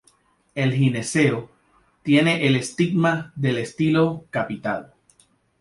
El gineceo tiene el estigma del estilo capitado.